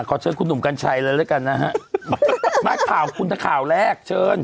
ขอเชิญคุณหนุ่มกัญชัยเลยแล้วกันนะฮะมาข่าวคุณถ้าข่าวแรกเชิญ